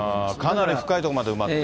かなり深い所まで埋まってる。